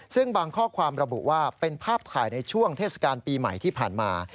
ซึ่งบางข้อความระบุว่าเป็นภาพถ่ายในช่วงเทศกาลปีใหม่ที่ผ่านมา